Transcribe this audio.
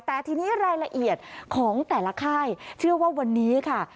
แต่ทีนี้รายละเอียดของแต่ละค่ายเชื่อว่าวันนี้ค่ะ